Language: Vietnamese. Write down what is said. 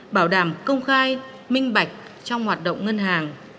bảo đảm công khai minh bạch trong hoạt động ngân hàng